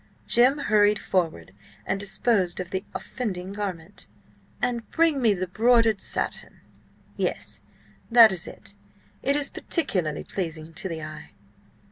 Jim hurried forward and disposed of the offending garment. "And bring me the broidered satin. Yes, that is it. It is particularly pleasing to the eye."